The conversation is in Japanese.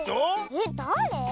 えっだれ？